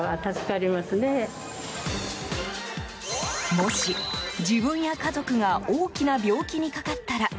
もし、自分や家族が大きな病気にかかったら。